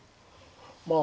まあ。